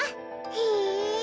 へえ！